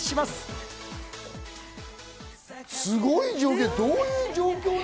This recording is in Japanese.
すごい状況。